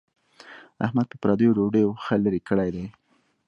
احمد په پردیو ډوډیو ښه لری کړی دی.